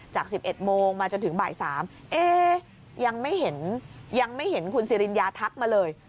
จาก๑๑โมงมาจนถึงบ่าย๓ยังไม่เห็นยังไม่เห็นคุณสิริญญาทักมาเลย